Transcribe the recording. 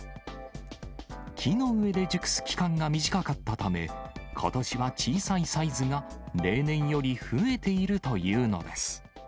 木の上で熟す期間が短かったため、ことしは小さいサイズが例年より増えているというのです。